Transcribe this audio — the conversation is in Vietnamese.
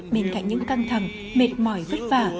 bên cạnh những căng thẳng mệt mỏi vất vả